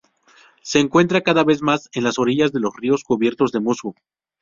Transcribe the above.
Se encuentra cada vez más en las orillas de los ríos cubiertos de musgo.